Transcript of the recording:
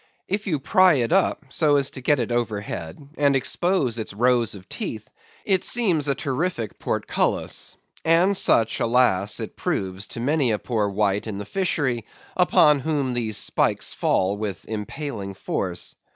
If you pry it up, so as to get it overhead, and expose its rows of teeth, it seems a terrific portcullis; and such, alas! it proves to many a poor wight in the fishery, upon whom these spikes fall with impaling force.